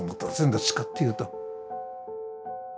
どっちかというと。